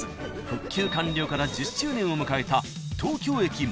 復旧完了から１０周年を迎えた］